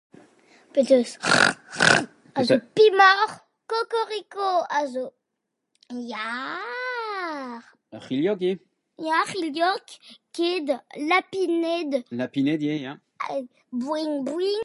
"bez ez eus ""c'hañ c'hañ"" a zo pemoc'h. Kokoriko a zo yar, ur c'hilhog ivez ? ya ur c'hilhog ket lapined lapined ivez ya ha ""bouiñ bouiñ"""